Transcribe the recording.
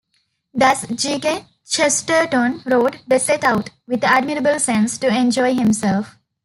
Thus G. K. Chesterton wrote: The set out, with admirable sense, to enjoy himself.